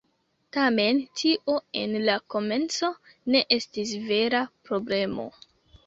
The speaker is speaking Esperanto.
Tamen, tio en la komenco ne estis vera problemo.